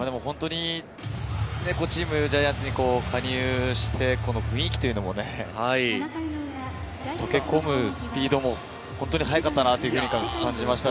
チームジャイアンツに加入して、雰囲気もね、溶け込むスピードも早かったなぁと感じました。